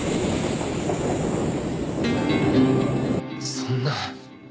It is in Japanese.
そんな。